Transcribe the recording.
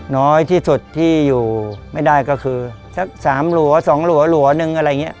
น้อยที่สุดที่อยู่ไม่ได้ก็คือสัก๓หลัวสองหลัวหลัวหนึ่งอะไรอย่างนี้